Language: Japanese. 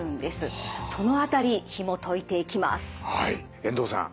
遠藤さん